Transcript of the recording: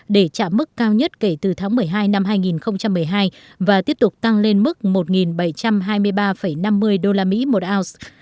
để trả mức cao nhất kể từ tháng một mươi hai năm hai nghìn một mươi hai và tiếp tục tăng lên mức một bảy trăm hai mươi ba năm mươi usd một ounce